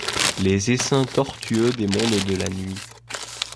Les essaims tortueux des mondes de la nuit.